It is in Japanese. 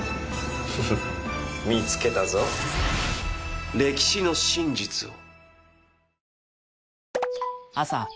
フフっ見つけたぞ歴史の真実を。